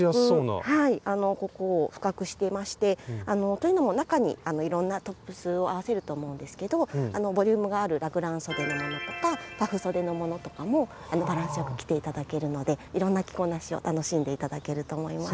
はいここを深くしてましてというのも中にいろんなトップスを合わせると思うんですけどボリュームがあるラグランそでのものとかパフそでのものとかもバランスよく着て頂けるのでいろんな着こなしを楽しんで頂けると思います。